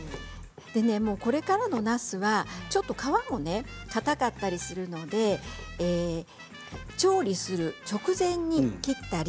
これからのなすは、ちょっと皮もかたかったりするので調理する直前に切ったり。